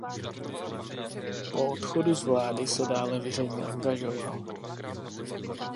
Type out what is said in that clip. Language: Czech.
Po odchodu z vlády se dále veřejně angažoval.